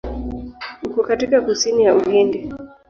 Uko katika kusini ya Uhindi.